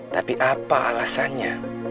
tapi apa alasannya